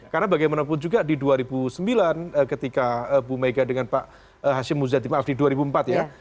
karena bagaimanapun juga di dua ribu sembilan ketika bu mega dengan pak hashim muzadzim maaf di dua ribu empat ya